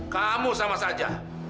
kamu sama saja